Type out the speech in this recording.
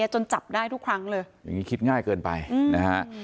จนจับได้ทุกครั้งเลยอย่างนี้คิดง่ายเกินไปนะฮะ